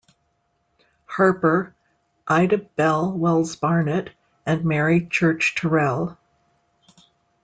Harper, Ida Bell Wells-Barnett, and Mary Church Terrell.